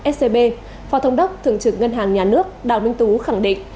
scb phó thống đốc thượng trưởng ngân hàng nhà nước đào minh tú khẳng định